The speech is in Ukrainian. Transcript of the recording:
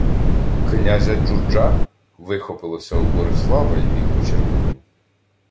— Князя Джурджа? — вихопилося в Борислава, й він почервонів.